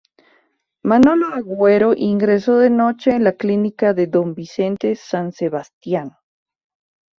Manolo Agüero ingresó de noche en la clínica de don Vicente San Sebastián.